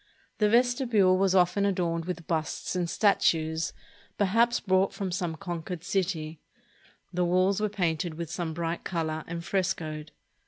The vestibule was often adorned with busts and statues, perhaps brought from some conquered city. The walls were painted 396 AUGUSTUS, THE SHREWD YOUNG EMPEROR with some bright color and frescoed.